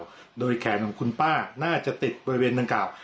ของภาวะลังกล่าวโดยแขนของคุณป้าน่าจะติดบริเวณลังกล่าว